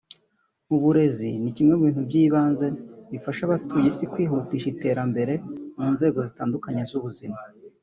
uburezi ni kimwe mu bintu by’ibanze bifasha abatuye isi kwihutisha iterambere mu nzego zitandukanye z’ubuzima